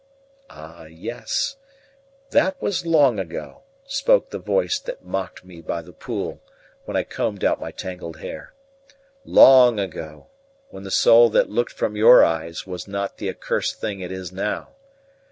"Ah, yes, that was long ago," spoke the voice that mocked me by the pool when I combed out my tangled hair. "Long ago, when the soul that looked from your eyes was not the accursed thing it is now.